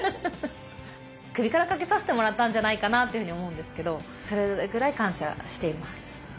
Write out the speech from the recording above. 首からかけさせてもらったんじゃないかなっていうふうに思うんですけどそれぐらい感謝しています。